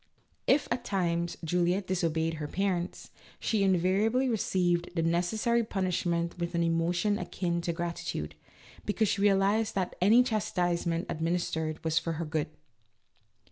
8O A LITTLE STUDY IN COMMON SENSE. If at times Juliette disobeyed her parents, she in variably received the necessary punishment with an emotion akin to gratitude, because she realized that any chastisement administered was for her good.